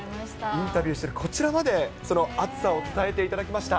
インタビューしてるこちらまで、その熱さを伝えていただきました。